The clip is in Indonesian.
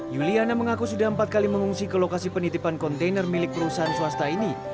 yuliana mengaku sudah empat kali mengungsi ke lokasi penitipan kontainer milik perusahaan swasta ini